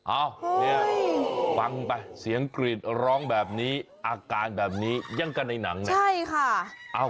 อ้าวเนี่ยฟังไปเสียงกรีดร้องแบบนี้อาการแบบนี้ยังกันในหนังเนี่ยใช่ค่ะ